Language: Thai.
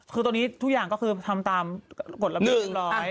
คือตอนนี้ทุกอย่างก็คือทำตามกฎระบิดอยู่แล้ว